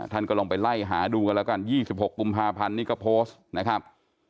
ท่านก็ลองไปไล่หาดูกันแล้วกัน๒๖กุมภาพันธ์นี้ก็โพสต์นะครับ